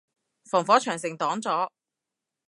防火長城擋咗